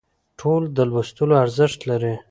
ټول د لوستلو ارزښت لري